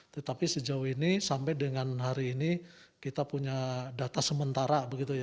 tetapi sejauh ini sampai dengan hari ini kita punya data sementara